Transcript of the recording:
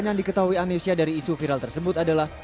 yang diketahui anesya dari isu viral tersebut adalah